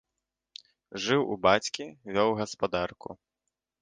Жыў у бацькі, вёў гаспадарку.